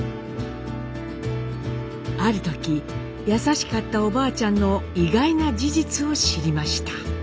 ある時優しかったおばあちゃんの意外な事実を知りました。